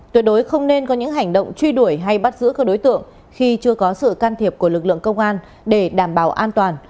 tuyệt đối không nên có những hành động truy đuổi hay bắt giữ các đối tượng khi chưa có sự can thiệp của lực lượng công an để đảm bảo an toàn